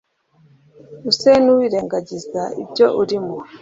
use n'uwirengagiza ibyo urimo,